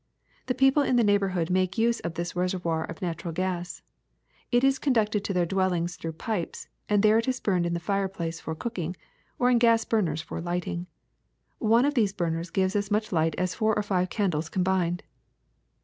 The people in the neighborhood make use of this reservoir of natural gas : it is conducted to their dwellings through pipes, and there it is burned in the fireplace for cooking or in gas burners for lighting. One of these burners gives as much light as four or five candles com bined.''